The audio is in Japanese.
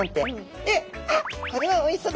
で「あっこれはおいしそうだ」